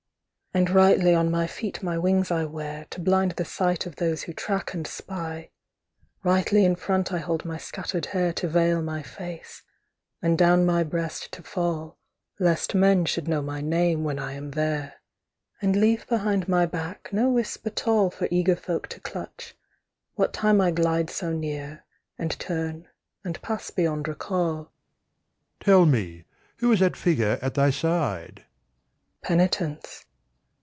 And rightly on my feet my wings I wear, To blind the sight of those who track and spy; Rightly in front I hold my scattered hair To veil my face, and down my breast to fall, Lest men should know my name when I am there; And leave behind my back no wisp at all For eager folk to clutch, what time I glide So near, and turn, and pass beyond recall." "Tell me; who is that Figure at thy side?" "Penitence.